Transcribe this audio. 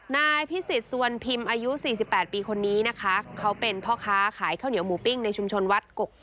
นายพี่สิทธิ์ส่วนพิมอายุ๔๘ปีคนนี้นะคะ